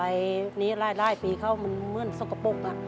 รายนี้รายปีเขามันเหมือนสกปรก